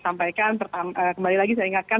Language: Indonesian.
sampaikan kembali lagi saya ingatkan